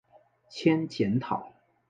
兼检讨。